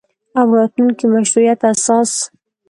او راتلونکي مشروعیت اساس